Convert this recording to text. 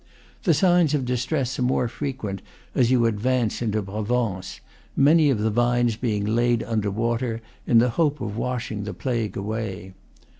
The signs of distress are more frequent as you advance into Provence, many of the vines being laid under water, in the hope of washing the plague away.